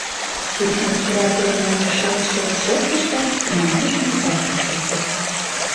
Кӱртньӧ сура пернылме шылт-шолт шоктыш да тыманмеш омса почылто.